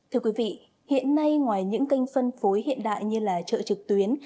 thưa quý vị hiện nay ngoài những kênh phân phối hiện đại như trợ trực tuyến